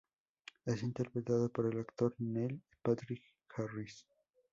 Es interpretado por el actor Neil Patrick Harris.